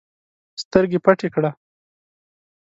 سترګي پټي کړه!